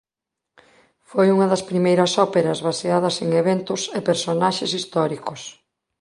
Foi unha das primeiras óperas baseadas en eventos e personaxes históricos.